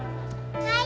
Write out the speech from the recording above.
はい。